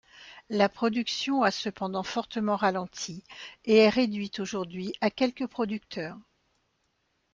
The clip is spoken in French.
La production a cependant fortement ralenti et est réduite aujourd'hui à quelques producteurs.